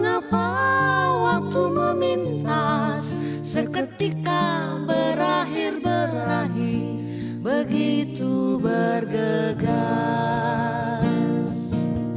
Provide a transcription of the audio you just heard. apa waktu memintas seketika berakhir berlahi begitu bergegas